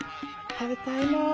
食べたいなあ。